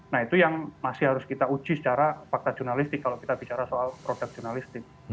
nah itu yang masih harus kita uji secara fakta jurnalistik kalau kita bicara soal produk jurnalistik